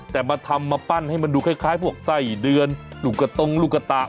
แต่มาทำมาปั้นให้มันดูคล้ายพวกไส้เดือนหลุกตงหลุกตา